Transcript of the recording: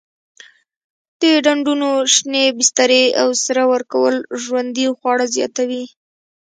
د ډنډونو شینې بسترې او سره ورکول ژوندي خواړه زیاتوي.